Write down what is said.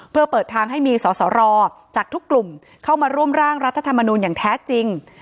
เพื่อเปิดทางให้มีสสรจากทุกกลุ่มเข้ามาร่วมร่างรัฐธรรมนูลอย่างแท้จริง